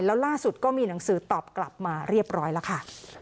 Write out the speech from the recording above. แล้วล่าสุดก็มีหนังสือตอบกลับมาเรียบร้อยแล้วค่ะ